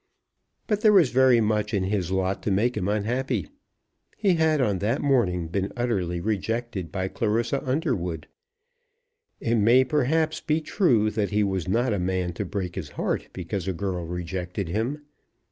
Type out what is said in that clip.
But there was very much in his lot to make him unhappy. He had on that morning been utterly rejected by Clarissa Underwood. It may, perhaps, be true that he was not a man to break his heart because a girl rejected him.